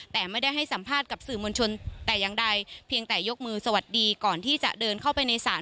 แต่ไม่ได้ให้สัมภาษณ์กับสื่อมวลชนแต่อย่างใดเพียงแต่ยกมือสวัสดีก่อนที่จะเดินเข้าไปในศาล